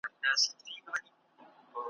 شپه که هر څومره اوږده سي عاقبت به سبا کېږي ,